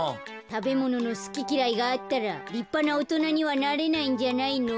たべもののすききらいがあったらりっぱなおとなにはなれないんじゃないの？